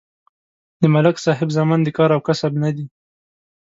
د ملک صاحب زامن د کار او کسب نه دي